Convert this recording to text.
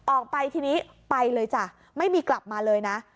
ออกไปทีนี้ไปเลยจ้ะไม่มีกลับมาเลยนะ